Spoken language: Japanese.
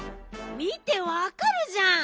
見てわかるじゃん。